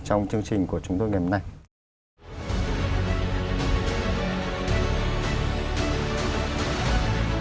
trong chương trình của chúng tôi ngày hôm nay